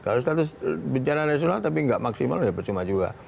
kalau status bencana nasional tapi nggak maksimal ya percuma juga